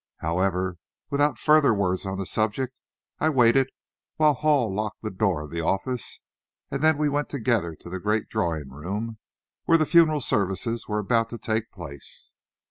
However, without further words on the subject, I waited while Hall locked the door of the office, and then we went together to the great drawing room, where the funeral services were about to take place.